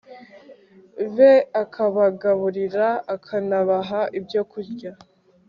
be akabagaburira akanabaha ibyo kunywa